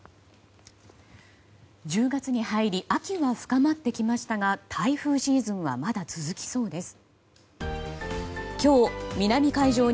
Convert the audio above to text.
１０月に入り秋が深まってきましたが台風シーズンはまだ続きそうです。